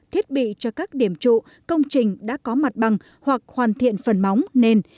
thiết bị cho các điểm trụ công trình đã có mặt bằng hoặc hoàn thiện phần móng nên